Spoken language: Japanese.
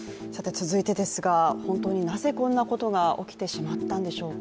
続いてですが、本当になぜこんなことが起きてしまったんでしょうか。